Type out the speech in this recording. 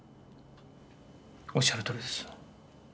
おっしゃるとおりです。